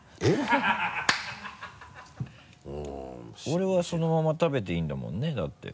俺はそのまま食べていいんだもんねだって。